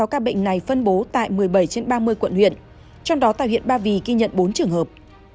một trăm bốn mươi sáu ca bệnh này phân bố tại một mươi bảy trên ba mươi quận huyện trong đó tại huyện ba vì ghi nhận bốn trường hợp